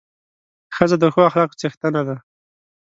ښځه د ښو اخلاقو څښتنه ده.